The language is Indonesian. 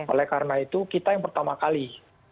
oleh karena itu kita yang pertama kali